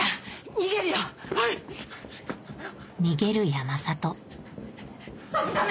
逃げる山里そっちダメ！